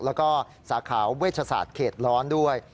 แล้วก็สาขาเวชศาสตร์เขตร้อนด้วย